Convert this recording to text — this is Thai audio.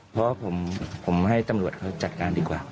เพราะว่าผมให้ตำรวจเขาจัดการดีกว่า